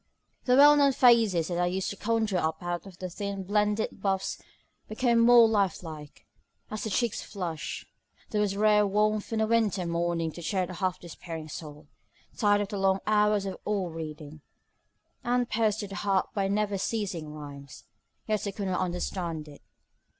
The old well known faces that I used to conjure up out of the thin blended boughs became more life like, as the cheeks flushed. There was rare warmth on a winter morning to cheer a half despairing soul, tired out with the long hours of oil reading, and pierced to the heart by the never ceasing rimes; yet I could not understand it.